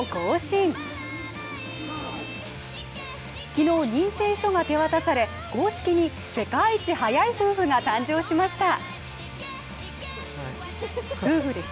昨日、認定書が手渡され公式に世界一速い夫婦が誕生しました。